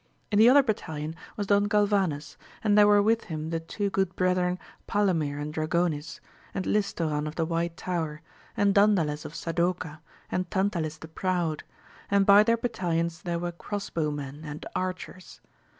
In the other battalion was Don Galvanes, and there were with him the two good brethren, Palomir and Dragonis, and Listoran of the white tower, and Dandales of Sadoca, and Tantalis the proud, and by their battalions there were cross bow men and archers.